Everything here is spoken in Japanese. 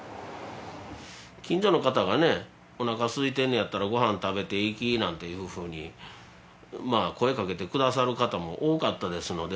近所の方がねおなかすいてんのやったらご飯食べていきなんていうふうに声かけてくださる方も多かったですので。